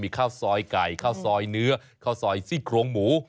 ข้าวซอยไก่ข้าวซอยเนื้อข้าวซอยซี่โครงหมู